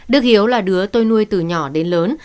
đức hiếu là đứa tôi nuôi từ nhỏ đến lớn